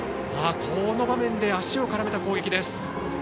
この場面で足を絡めた攻撃です。